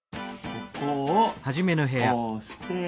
ここをこうしてっと。